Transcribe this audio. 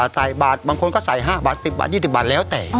แต่บาทบางคนก็ใส่๕บาทหรือ๑๐๒๐บาทแล้วแต่